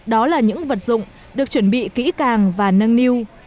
đó là những vật dụng được chuẩn bị kỹ càng và nâng niu